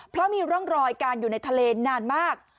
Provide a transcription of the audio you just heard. เพราะมีร่องรอยการอยู่ในทะเลนานมาก